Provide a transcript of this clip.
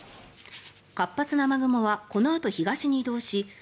活発な雨雲はこのあと東に移動し